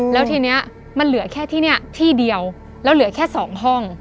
แล้วทีนี้มันเหลือแค่ที่นี่ที่เดียวแล้วเหลือแค่๒ห้อง